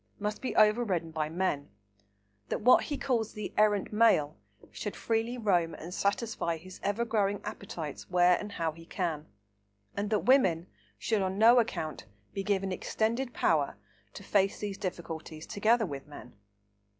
must be overridden by men; that what he calls the "errant male" should freely roam and satisfy his ever growing appetites where and how he can; and that women should on no account be given "extended power" to face these difficulties together with men.